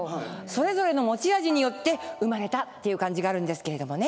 それぞれの持ち味によって生まれたっていう感じがあるんですけれどもね。